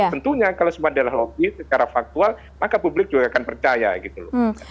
tentunya kalau sebuah dialogi secara faktual maka publik juga akan percaya gitu loh